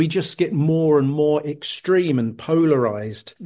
jadi kita hanya menjadi lebih ekstrim dan polarisasi